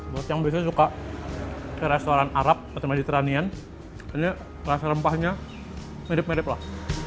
buat yang biasanya suka ke restoran arab atau mediterranean ini rasa rempahnya medip medip lah